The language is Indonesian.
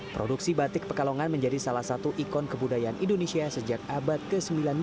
produksi batik pekalongan menjadi salah satu ikon kebudayaan indonesia sejak abad ke sembilan belas